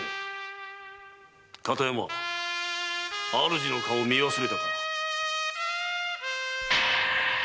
主の顔を見忘れたか？